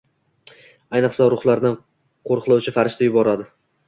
ayniqsa ruhlardan qo‘riqlovchi farishta yuboradi.